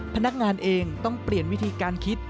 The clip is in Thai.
พนักงานเองต้องเปลี่ยนวิธีการคิด